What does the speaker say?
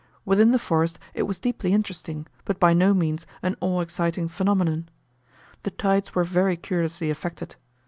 Within the forest it was a deeply interesting, but by no means an awe exciting phenomenon. The tides were very curiously affected.